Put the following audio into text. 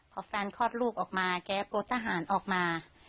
พอแฟนคลอดลูกออกมาแก๊ปรถทหารออกมา